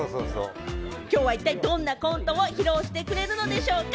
今日は一体どんなコントを披露してくれるのでしょうか。